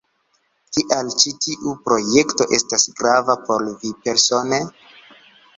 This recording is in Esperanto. Kial ĉi tiu projekto estas grava por vi persone?